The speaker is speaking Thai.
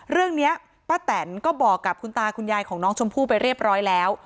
เรื่องนี้ป้าแตนก็บอกกับคุณตาคุณยายของน้องชมพู่ไปเรียบร้อยแล้ว